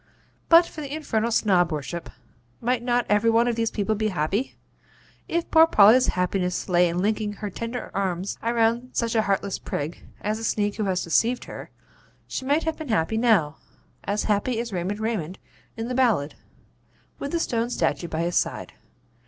But for the infernal Snob worship, might not every one of these people be happy? If poor Polly's happiness lay in linking her tender arms round such a heartless prig as the sneak who has deceived her, she might have been happy now as happy as Raymond Raymond in the ballad, with the stone statue by his side.